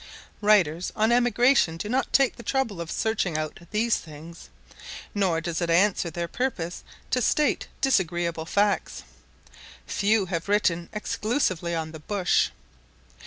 Writers on emigration do not take the trouble of searching out these things, nor does it answer their purpose to state disagreeable facts. Few have written exclusively on the "Bush."